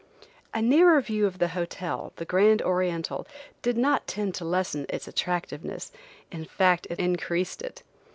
A nearer view of the hotel, the Grand Oriental, did not tend to lessen its attractiveness–in fact it increased it.